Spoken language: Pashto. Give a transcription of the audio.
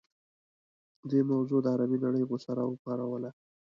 دې موضوع د عربي نړۍ غوسه راوپاروله.